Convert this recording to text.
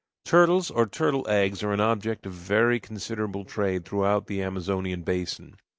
Turtles, or turtle eggs, are an object of very considerable trade throughout the Amazonian basin.